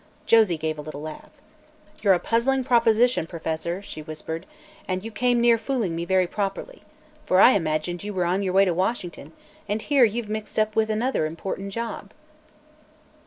Josie gave a little laugh. "You're a puzzling proposition, Professor," she whispered to herself, "and you came near fooling me very properly. For I imagined you were on your way to Washington, and here you've mixed up with another important job!"